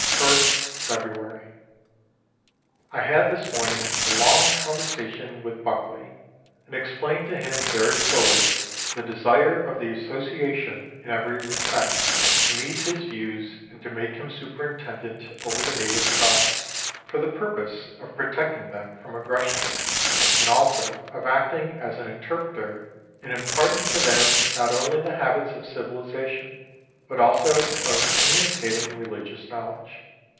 1st February. I had, this morning, a long conversation with Buckley, and explained to him very fully the desire of the Asso ciation, in every respect, to meet his views, and to make him superintendent over the native tribes, for the purpose of protecting them from aggressions, and also of acting as an interpreter in imparting to them not only the habits of civilization, but also of communicating religious knowledge.